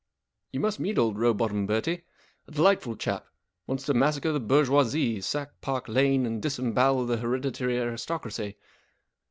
You must meet old Rowbotham, Bertie. A delightful chap. Wants to massacre the bourgeoisie, sack Park Lane, and disembowel the hereditary' aris¬ tocracy.